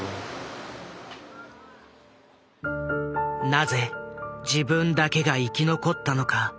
なぜ自分だけが生き残ったのか。